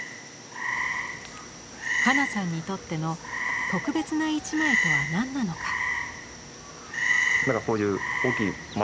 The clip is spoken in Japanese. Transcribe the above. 加奈さんにとっての「特別な一枚」とは何なのか。